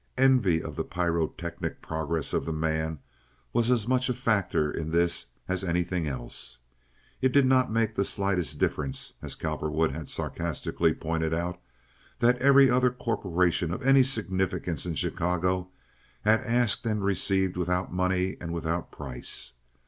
Envy of the pyrotechnic progress of the man was as much a factor in this as anything else. It did not make the slightest difference, as Cowperwood had sarcastically pointed out, that every other corporation of any significance in Chicago had asked and received without money and without price.